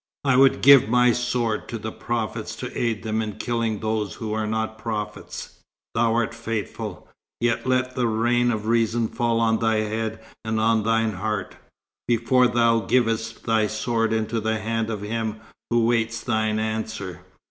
'" "I would give my sword to the prophets to aid them in killing those who are not prophets." "Thou art faithful. Yet let the rain of reason fall on thy head and on thine heart, before thou givest thy sword into the hand of him who waits thine answer."